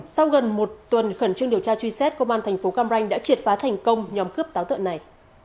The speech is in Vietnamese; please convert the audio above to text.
sau gần một tuần khẩn trương điều tra truy xét công an thành phố cam ranh đã triệt phá thành công nhóm cướp táo tợn này